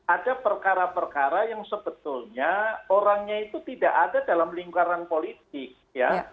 ada perkara perkara yang sebetulnya orangnya itu tidak ada dalam lingkaran politik ya